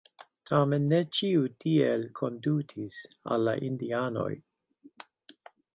Tamen ne ĉiu tiel kondutis al la indianoj.